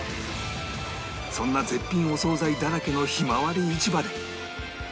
そんな絶品お惣菜だらけのひまわり市場で